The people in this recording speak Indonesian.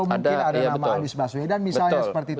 atau mungkin ada nama anies baswedan misalnya seperti itu